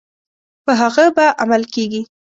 په هغه به عمل کیږي.